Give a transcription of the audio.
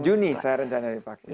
juni saya rencana divaksin